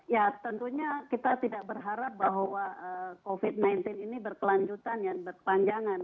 ya tentunya kita tidak berharap bahwa covid sembilan belas ini berkelanjutan ya berkepanjangan